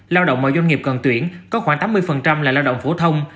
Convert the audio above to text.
lao động mà doanh nghiệp cần tuyển có khoảng tám mươi là lao động phổ thông